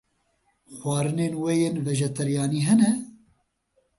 Xwarinên we yên vejeteryanî hene?